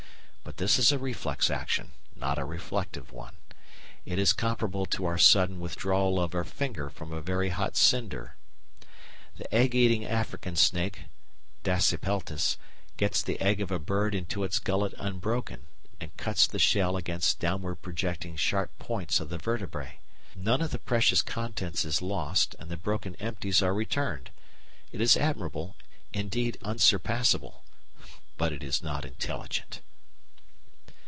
But this is a reflex action, not a reflective one. It is comparable to our sudden withdrawal of our finger from a very hot cinder. The Egg eating African snake Dasypeltis gets the egg of a bird into its gullet unbroken, and cuts the shell against downward projecting sharp points of the vertebræ. None of the precious contents is lost and the broken "empties" are returned. It is admirable, indeed unsurpassable; but it is not intelligent.